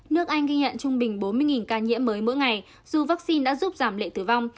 nước anh ghi nhận trung bình bốn mươi ca nhiễm mới mỗi ngày dù vaccine đã giúp giảm lệ tử vong